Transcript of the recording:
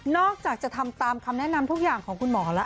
จะทำตามคำแนะนำทุกอย่างของคุณหมอแล้ว